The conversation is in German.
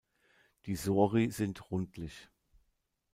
Die Sori sind rundlich.